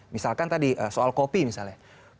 misalkan tadi soal kopi misalnya